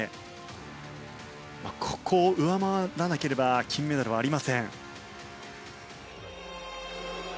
ここを上回らなければ金メダルはありません。